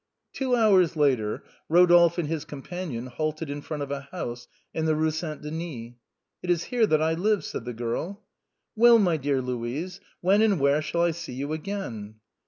Two hours later Rodolphe and his companion halted in front of a house in the Rue St. Denis. " It is here that I live," said the girl. " Well, my dear Louise, when and where shall I see you again